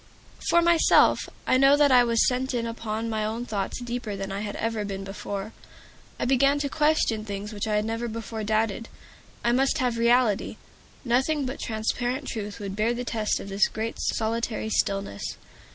For myself, I know that I was sent in upon my own thoughts deeper than I had ever been before. I began to question things which I had never before doubted. I must have reality. Nothing but transparent truth would bear the test of this great, solitary stillness.